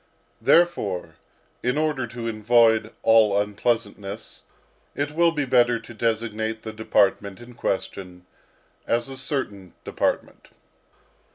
Therefore, in order to avoid all unpleasantness, it will be better to designate the department in question, as a certain department.